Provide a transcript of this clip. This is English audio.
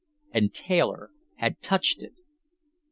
And Taylor had touched it!